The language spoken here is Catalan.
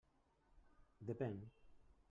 Depèn.